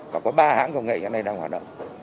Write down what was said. và có ba hãng công nghệ ở đây đang hoạt động